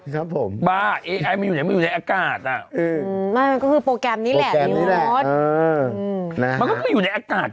เฮ้ยมันเหมือนคนมากเลยเนอะ